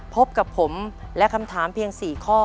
พบกับผมและคำถามเพียง๔ข้อ